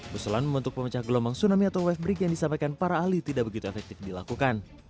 keselamatan untuk memecah gelombang tsunami atau web brick yang disampaikan para ahli tidak begitu efektif dilakukan